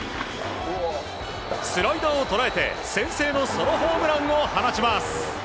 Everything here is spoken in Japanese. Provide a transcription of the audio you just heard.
スライダーを捉えて先制のソロホームランを放ちます。